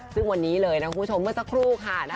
ซึ่งวันนี้เลยนะคุณผู้ชมเมื่อสักครู่ค่ะ